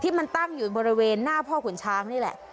มันตั้งอยู่บริเวณหน้าพ่อขุนช้างนี่แหละ